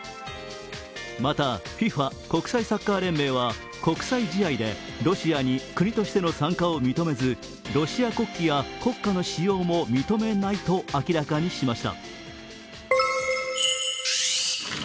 また、ＦＩＦＡ＝国際サッカー連盟は国際試合でロシアに国としての参加を認めず、ロシア国旗や国歌の使用も認めないと明らかにしました。